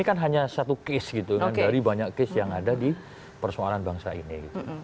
ini kan hanya satu case gitu kan dari banyak case yang ada di persoalan bangsa ini